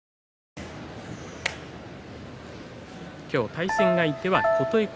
対戦相手は琴恵光。